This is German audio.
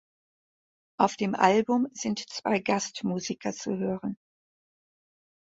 Auf dem Album sind zwei Gastmusiker zu hören.